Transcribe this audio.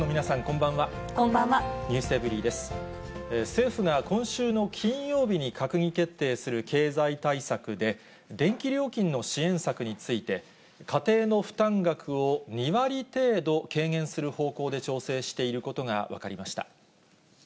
政府が今週の金曜日に閣議決定する経済対策で、電気料金の支援策について、家庭の負担額を２割程度軽減する方向で調整していることが分かりました。